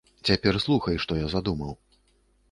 Цяпер слухай, што я задумаў.